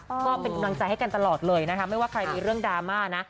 ก็เป็นกำลังใจให้กันตลอดเลยนะคะไม่ว่าใครมีเรื่องดราม่านะ